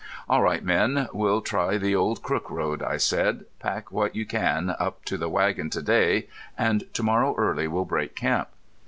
"All right, men, we'll try the old Crook road," I said. "Pack what you can up to the wagon to day, and to morrow early we'll break camp."